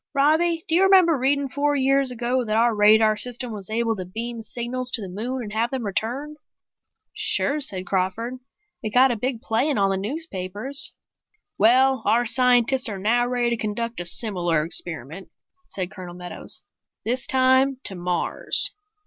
"Robbie, do you remember reading four years ago that our radar system was able to beam signals to the moon and have them returned?" "Sure," said Crawford. "It got a big play in all the newspapers." "Well, our scientists are now ready to conduct a similar experiment," said Colonel Meadows. "This time to Mars."